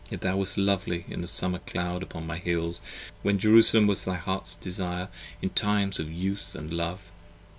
Yet thou wast lovely as the summer cloud upon my hills When Jerusalem was thy heart's desire in times of youth & love.